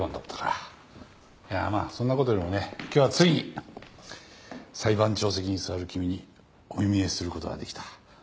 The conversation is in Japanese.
いやまあそんな事よりもね今日はついに裁判長席に座る君にお目見えする事ができた。